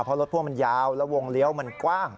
เพราะรถพ่วงมันยาวแล้ววงเลี้ยวมันกว้าง